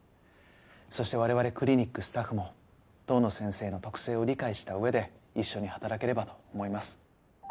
そして我々クリニックスタッフも遠野先生の特性を理解した上で一緒に働ければと思います。